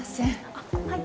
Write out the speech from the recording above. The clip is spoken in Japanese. ・あっはい。